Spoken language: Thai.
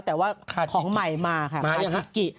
แต่ว่าของใหม่มาค่ะอาชิกิ